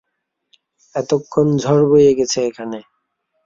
এতক্ষণ ঝড় বয়ে গেছে এখানে।